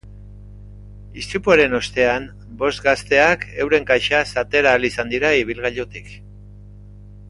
Istripuaren ostean, bost gazteak euren kaxaz atera ahal izan dira ibilgailutik.